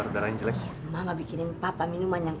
terima kasih ya